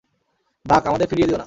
বাক, আমাদের ফিরিয়ে দিও না।